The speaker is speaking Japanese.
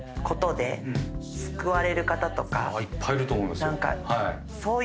いっぱいいると思いますよ。